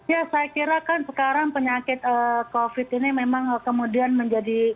ya saya kira kan sekarang penyakit covid ini memang kemudian menjadi